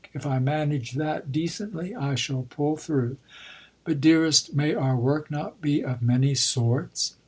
If I manage that decently I shall pull through." "But, dearest, may our work not be of many sorts?"